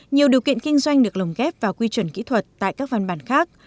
nhiều điều kiện kinh doanh được lồng ghép vào quy chuẩn kỹ thuật tại các văn bản khác